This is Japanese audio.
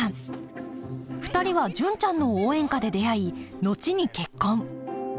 ２人は「純ちゃんの応援歌」で出会い後に結婚